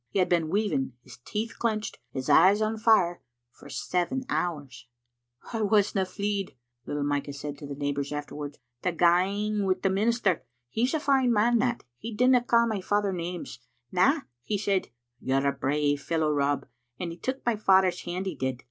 He had been weaving, his teeth clenched, his eyes on fire, for seven hours. "I wasna fleid," little Micah said to the neighbours afterwards, " to gang in wi' the minister. He's a fine man that. He didna ca' my father names. Na, he said, * You're a brave fellow, Rob,' and he took my father's hand, he did.